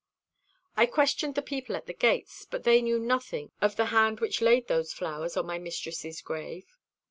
I questioned the people at the gates, but they knew nothing of the hand which laid those flowers on my mistress's grave.